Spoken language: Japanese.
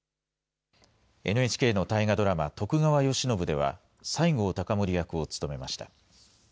ＮＨＫの大河ドラマ、徳川慶喜では、西郷隆盛役を務めました。